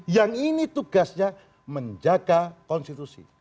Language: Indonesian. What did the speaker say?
yang ini tugasnya menjaga konstitusi